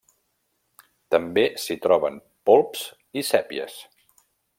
També s'hi troben polps i sèpies.